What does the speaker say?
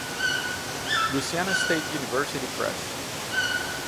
Louisiana State University Press.